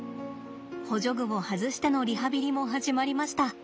補助具を外してのリハビリも始まりました。